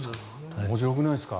面白くないですか？